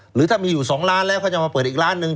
หรือถ้ามีอยู่๒ล้านแล้วเขาจะมาเปิดอีกล้านหนึ่ง